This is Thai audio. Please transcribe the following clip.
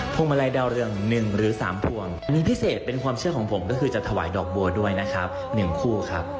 มาลัยดาวเรือง๑หรือ๓พวงอันนี้พิเศษเป็นความเชื่อของผมก็คือจะถวายดอกบัวด้วยนะครับ๑คู่ครับ